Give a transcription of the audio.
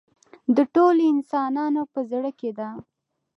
د ټولو انسانانو په زړه کې ده.